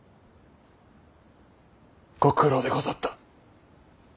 ご苦労でござった。